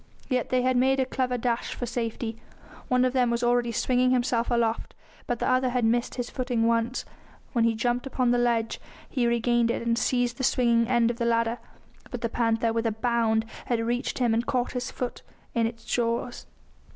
Yet they had made a clever dash for safety; one of them was already swinging himself aloft, but the other had missed his footing once, when he jumped upon the ledge; he regained it and seized the swinging end of the ladder, but the panther, with a bound, had reached him and caught his foot in its jaws.